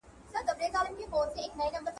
حکومت بهرنی استازی نه ګواښي.